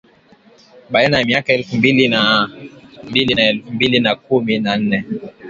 Baina ya miaka elfu mbili na mbili na elfu mbili na kumi na nne